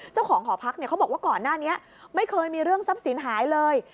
เจ้าของหอพักเนี่ยเขาบอกว่าก่อนหน้านี้ไม่เคยมีเรื่องทรัพย์สินหายเลย